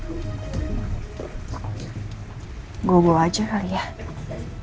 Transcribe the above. lumayan kan buat makan di perjalanan dan hemat bajet